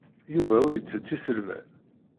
Yuba ur ittett iselman.